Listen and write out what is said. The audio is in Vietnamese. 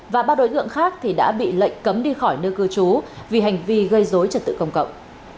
và ba đối tượng khác đã bị lệnh cấm đi khỏi nơi cư trú vì hành vi gây dối trật tự công cộng